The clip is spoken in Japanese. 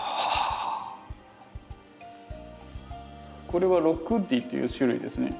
これはロックウッディっていう種類ですね。